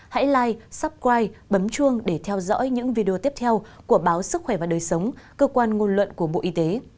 hãy like subscribe bấm chuông để theo dõi những video tiếp theo của báo sức khỏe và đời sống cơ quan nguồn luận của bộ y tế